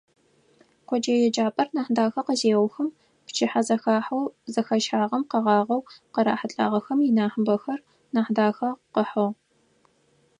Къоджэ еджапӏэр Нахьдахэ къызеухым, пчыхьэзэхахьэу зэхащагъэм къэгъагъэу къырахьылӏагъэм инахьыбэр Нахьдахэ къыхьыгъ.